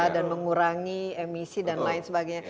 dan mengurangi emisi dan lain sebagainya